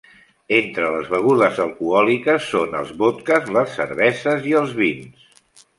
Entre les begudes alcohòliques, són els vodkes, les cerveses i els vins.